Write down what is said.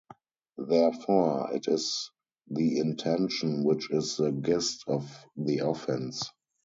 Therefore, it is the intention which is the gist of the offence.